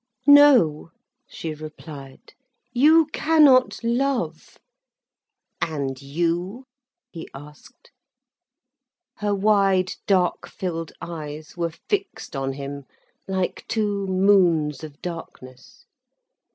"No," she replied. "You cannot love." "And you?" he asked. Her wide, dark filled eyes were fixed on him, like two moons of darkness.